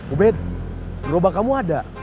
ubed gerobak kamu ada